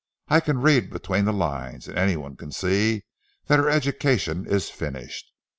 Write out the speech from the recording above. I can read between the lines, and any one can see that her education is finished.